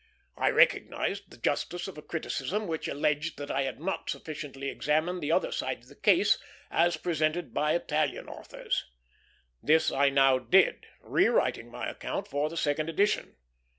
I recognized the justice of a criticism which alleged that I had not sufficiently examined the other side of the case, as presented by Italian authors. This I now did, rewriting my account for the second edition.